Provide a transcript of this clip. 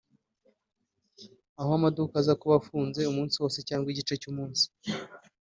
aho amaduka aza kuba afunze umusi wose cyangwa igice cy’umunsi